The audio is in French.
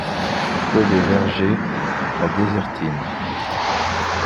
Clos des Vergers à Désertines